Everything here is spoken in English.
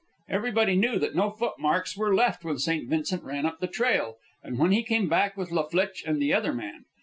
Everybody knew that no foot marks were left when St. Vincent ran up the trail, and when he came back with La Flitche and the other man.